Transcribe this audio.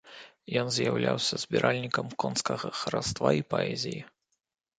Ён з'яўляўся збіральнікам конскага хараства і паэзіі.